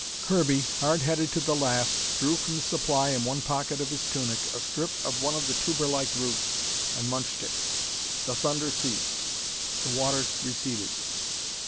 Kirby, hard headed to the last, drew from the supply in one pocket of his tunic, a strip of one of the tuberlike roots, and munched it. The thunder ceased. The waters receded.